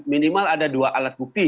minimal ada dua alat bukti